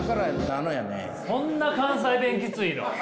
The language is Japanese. そんな関西弁キツイの！？